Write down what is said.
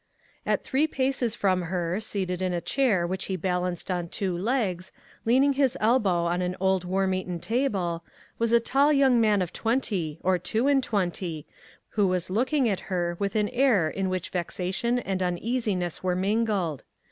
At three paces from her, seated in a chair which he balanced on two legs, leaning his elbow on an old worm eaten table, was a tall young man of twenty, or two and twenty, who was looking at her with an air in which vexation and uneasiness were mingled.